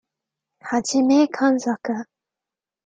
Hajime Kanzaka